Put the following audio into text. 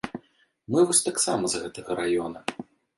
Мы вось таксама з гэтага раёна.